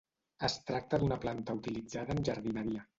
Es tracta d'una planta utilitzada en jardineria.